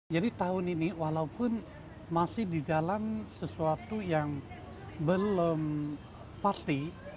jadi tahun ini walaupun masih di dalam sesuatu yang belum pasti